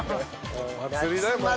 祭りだよもうね。